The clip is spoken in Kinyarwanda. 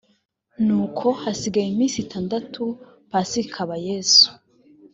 nuko hasigaye iminsi itandatu pasika ikaba yesu